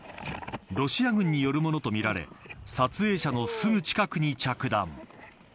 ロシア軍によるものとみられ撮影者のすぐ近くに着弾。